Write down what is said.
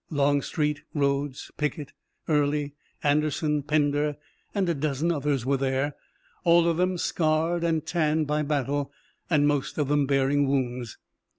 Longstreet, Rhodes, Pickett, Early, Anderson, Pender and a dozen others were there, all of them scarred and tanned by battle, and most of them bearing wounds.